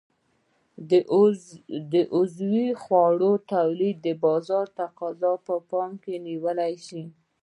د عضوي خوړو تولید د بازار تقاضا په پام کې نیول شي.